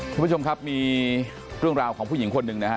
คุณผู้ชมครับมีเรื่องราวของผู้หญิงคนหนึ่งนะฮะ